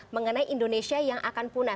mengenai indonesia yang akan punah